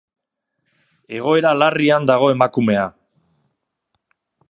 Egoera larrian dago emakumea.